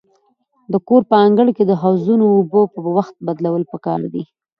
د کور په انګړ کې د حوضونو اوبه په وخت بدلول پکار دي.